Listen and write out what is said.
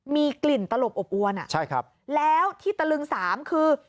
มีกลิ่นตะลบอบอ้วนอะแล้วที่ตะลึง๓คือ